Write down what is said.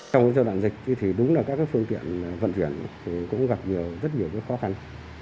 trong giai đoạn dịch thì đúng là các phương tiện vận chuyển thì cũng gặp rất nhiều khó khăn